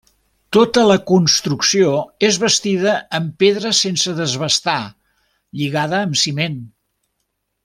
Tota la construcció és bastida amb pedra sense desbastar, lligada amb ciment.